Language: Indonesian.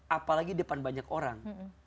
apalagi depan banyak orang